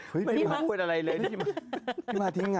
พี่ก็มาบ่นอะไรเลยนะ